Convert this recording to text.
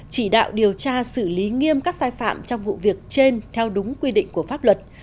chỉ đạo điều tra xử lý nghiêm các sai phạm trong vụ việc trên theo đúng quy định của pháp luật